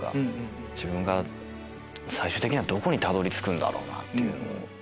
自分が最終的にはどこにたどり着くんだろう？っていう。